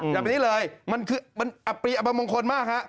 อย่าเป็นนี้เลยมันอับปรีอับประมงคลมาก